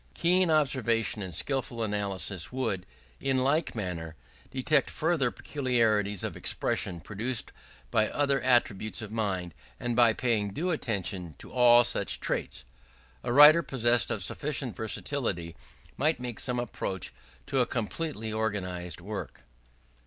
Keen observation and skilful analysis would, in like manner, detect further peculiarities of expression produced by other attitudes of mind; and by paying due attention to all such traits, a writer possessed of sufficient versatility might make some approach to a completely organized work.